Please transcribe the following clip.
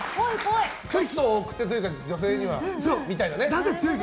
ちょっと奥手というか女性には、みたいなね。